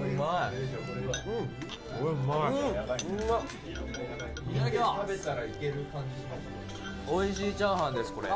千賀：おいしいチャーハンですこれ。